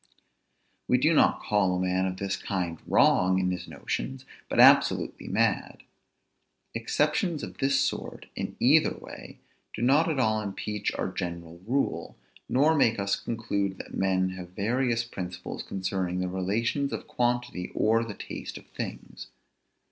We do not call a man of this kind wrong in his notions, but absolutely mad. Exceptions of this sort, in either way, do not at all impeach our general rule, nor make us conclude that men have various principles concerning the relations of quantity or the taste of things.